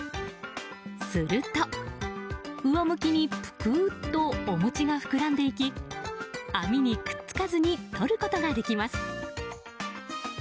すると、上向きにぷくーっとお餅が膨らんでいき網にくっつかずに取ることができます。